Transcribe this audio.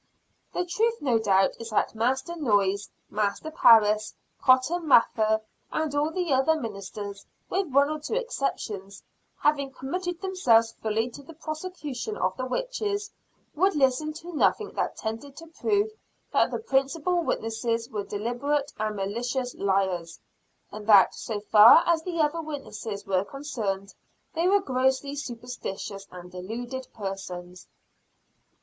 The truth no doubt is that Master Noyes, Master Parris, Cotton Mather, and all the other ministers, with one or two exceptions, having committed themselves fully to the prosecution of the witches, would listen to nothing that tended to prove that the principal witnesses were deliberate and malicious liars; and that, so far as the other witnesses were concerned, they were grossly superstitious and deluded persons.